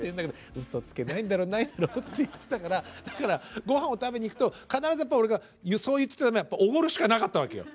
「うそつけないんだろう？ないんだろう？」って言ってたからだからごはんを食べに行くと必ずやっぱり俺がそう言ってた手前おごるしかなかったわけよ。